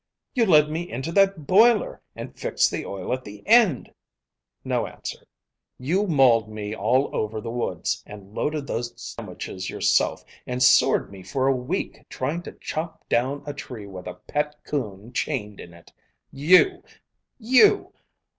"You led me into that boiler, and fixed the oil at the end!" No answer. "You mauled me all over the woods, and loaded those sandwiches yourself, and sored me for a week trying to chop down a tree with a pet coon chained in it! You ! You